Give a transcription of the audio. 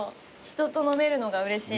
人と飲めるのがうれしい。